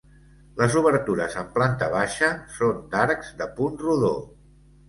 Les obertures en planta baixa són d'arcs de punt rodó.